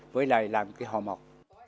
với lại làm cái hò mọc